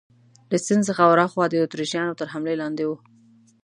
له سیند څخه ورهاخوا د اتریشیانو تر حملې لاندې وو.